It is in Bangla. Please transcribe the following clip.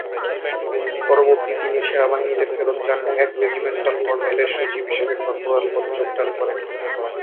পরবর্তী তিনি সেনাবাহিনীতে ফেরত যান এবং এক রেজিমেন্টাল কর্নেলের সচিব হিসেবে কর্পোরাল পদে যোগদান করেন।